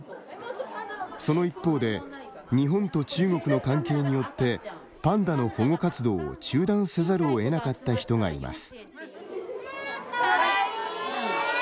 その一方で日本と中国の関係によってパンダの保護活動を中断せざるをえなかった人がいます。